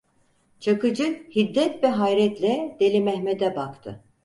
Çakıcı hiddet ve hayretle Deli Mehmet'e baktı.